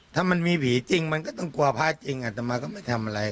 ถ้ามันมีผีจริงมันก็ต้องกลัวพระจริงอัตมาก็ไม่ทำอะไร